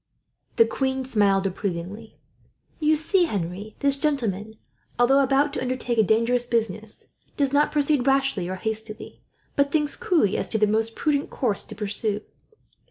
The queen smiled approvingly. "You see, Henri, this gentleman, although about to undertake a dangerous business, does not proceed rashly or hastily, but thinks coolly as to the most prudent course to pursue.